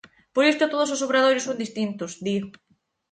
Por isto todos os obradoiros son distintos, di.